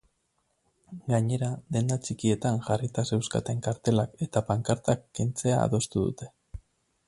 Gainera, denda txikietan jarrita zeuzkaten kartelak eta pankartak kentzea adostu dute.